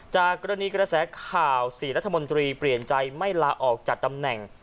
จากกรณีกระแสข่าว๔รัฐมนตรีเปลี่ยนใจไม่ลาออกจากตำแหน่ง